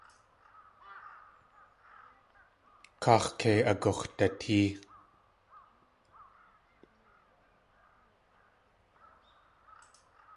Kaax̲ kei agux̲datée.